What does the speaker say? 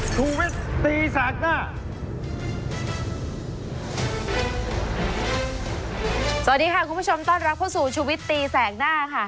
สวัสดีค่ะคุณผู้ชมต้อนรับเข้าสู่ชูวิตตีแสกหน้าค่ะ